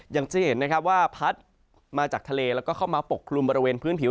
ยังจะเห็นว่าพัดมาจากทะเลแล้วเข้ามาปกปรุงบริเวณพื้นผิว